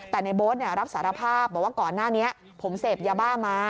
แต่ในโบ๊ทรับสารภาพบอกว่าก่อนหน้านี้ผมเสพยาบ้ามา